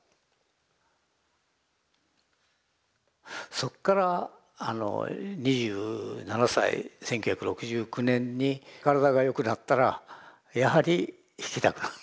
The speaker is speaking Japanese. そっから２７歳１９６９年に体が良くなったらやはり弾きたくなる。